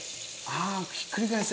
ああひっくり返せない？